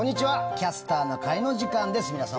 「キャスターな会」の時間です。